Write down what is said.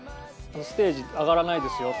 「ステージ上がらないですよ」って。